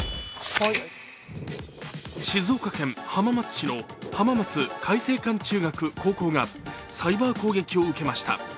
静岡県浜松市の浜松開誠館中学・高校がサイバー攻撃を受けました。